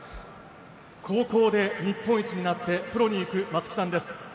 高校で日本一になってプロに行く松木さんです。